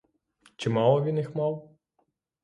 Чи мало він їх мав?